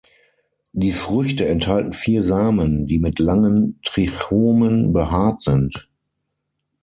Die Früchte enthalten vier Samen, die mit langen Trichomen behaart sind.